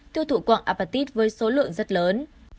tiêu thụ quặng apatit với số lượng rất lớn